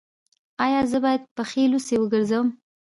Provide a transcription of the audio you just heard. ایا زه باید پښې لوڅې وګرځم؟